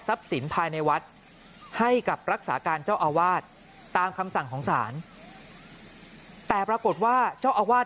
สินภายในวัดให้กับรักษาการเจ้าอาวาสตามคำสั่งของศาลแต่ปรากฏว่าเจ้าอาวาส